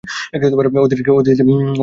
ওদের দিকে তাকিয়ে আছিস কেন?